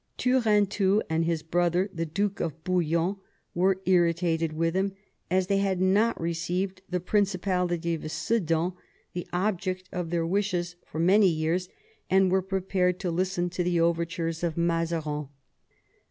Turenne, too, and his brother, the Duke of Bouillon, were irritated with him, as they had not received the principality of Sedan, the object of their wishes for many years, and were prepared to listen to the overtures of Mazarin.